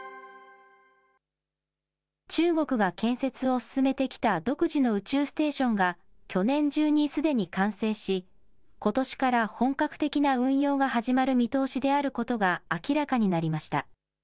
中国が建設を進めてきた独自の宇宙ステーションが去年中にすでに完成し、ことしから本格的な運用が始まる見通しであることが明らかになりました。